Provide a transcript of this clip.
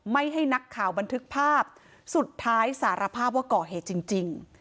ให้นักข่าวบันทึกภาพสุดท้ายสารภาพว่าก่อเหตุจริง